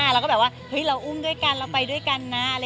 เราก็แบบว่าเฮ้ยเราอุ้มด้วยกันเราไปด้วยกันนะ